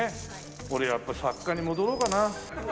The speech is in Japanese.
俺やっぱ作家に戻ろうかな。